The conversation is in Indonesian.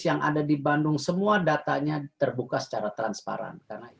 yang ada di bandung semua datanya terbuka secara transparan